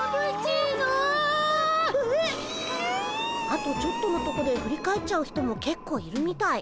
あとちょっとのとこで振り返っちゃう人もけっこういるみたい。